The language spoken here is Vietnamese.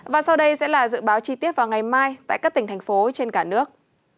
và sau đây sẽ là dự báo chi tiết vào ngày mai tại các tỉnh thành phố trên cả nước